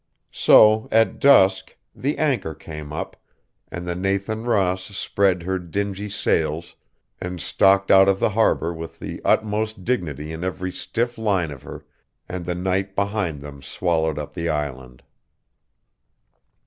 So at dusk, the anchor came up, and the Nathan Ross spread her dingy sails, and stalked out of the harbor with the utmost dignity in every stiff line of her, and the night behind them swallowed up the island.